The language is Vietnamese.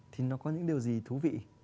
thì nó có những điều gì thú vị